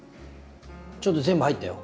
ちょっと全部入ったよ。